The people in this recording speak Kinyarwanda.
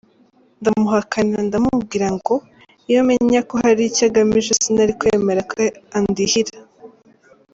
Ndamuhakanira ndamubwira ngo iyo menya ko aricyo agamije sinari kwemera ko andihira.